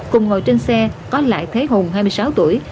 cùng ngồi trên xe có lại thế hùng hai mươi sáu tuổi